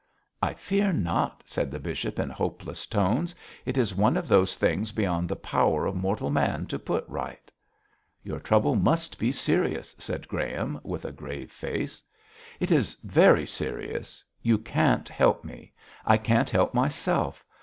'I fear not,' said the bishop, in hopeless tones. 'It is one of those things beyond the power of mortal man to put right.' 'Your trouble must be serious,' said Graham, with a grave face. 'It is very serious. You can't help me. I can't help myself.